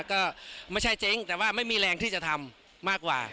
ก็ไม่ใช่เจ๊งแต่ว่าไม่มีแรงที่จะทำมากกว่า